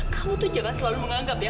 kamu tuh jangan selalu menganggap ya